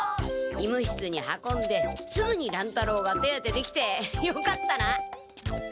医務室に運んですぐに乱太郎が手当てできてよかったな。